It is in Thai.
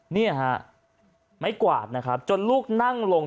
เนี่ยฮะไม้กวาดนะครับจนลูกนั่งลง